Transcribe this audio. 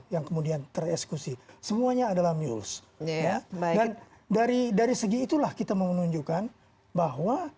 yang kemudian teresekusi semuanya adalah miur ya baik dari dari segi itulah kita menunjukkan bahwa